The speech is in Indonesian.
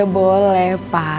iya boleh pa